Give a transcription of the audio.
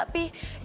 ternyata enggak pi